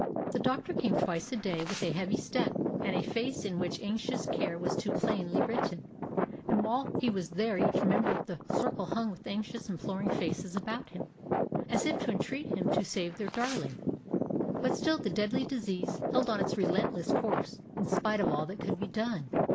The doctor came twice a day, with a heavy step, and a face in which anxious care was too plainly written; and while he was there each member of the circle hung with anxious, imploring faces about him, as if to entreat him to save their darling; but still the deadly disease held on its relentless course, in spite of all that could be done.